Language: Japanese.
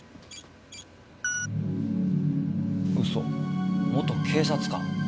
嘘元警察官？